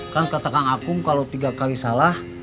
kan kata kang akung kalau tiga kali salah